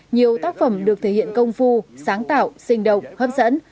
nhiều tác phẩm được thể hiện công phu sáng tạo sinh động hấp dẫn